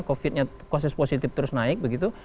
covid sembilan belas nya kasus positif terus naik begitu